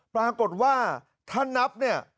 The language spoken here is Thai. ปรากฏว่าถ้านับเนี่ย